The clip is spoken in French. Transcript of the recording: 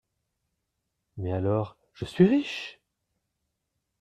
Mais alors, je suis riche !